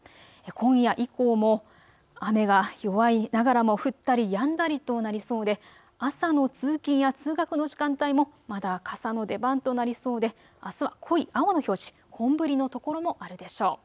今夜以降も雨が弱いながらも降ったりやんだりとなりそうで朝の通勤や通学の時間帯もまだ傘の出番となりそうで、あすは濃い青の表示、本降りのところもあるでしょう。